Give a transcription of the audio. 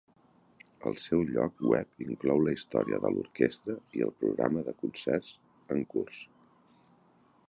El seu lloc web inclou la història de l'orquestra i el programa de concerts en curs.